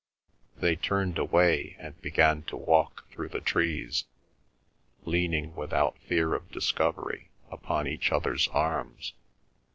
They turned away and began to walk through the trees, leaning, without fear of discovery, upon each other's arms.